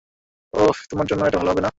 ওহ, তোমার জন্য এটা ভালো হবে না।